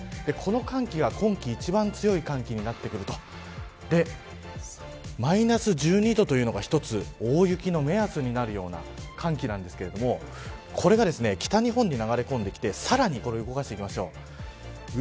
この寒気が今季一の寒気になってくるとマイナス１２度というのが一つ、大雪の目安になるような寒気なんですけれどもこれが北日本に流れ込んできてさらに動かしていきましょう。